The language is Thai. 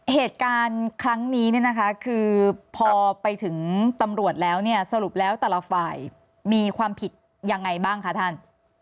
เหตุการณ์ครั้งนี้พอไปถึงตำรวจแล้วสรุปแล้วตลาดฝ่ายมีความผิดยังไงบ้างคะท่าน